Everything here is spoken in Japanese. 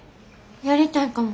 やりたいかも。